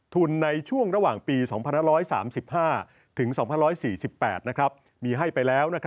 ในช่วงระหว่างปี๒๕๓๕ถึง๒๑๔๘มีให้ไปแล้ว